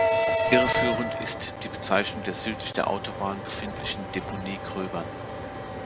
Irreführend ist die Bezeichnung der südlich der Autobahn befindlichen Deponie Cröbern.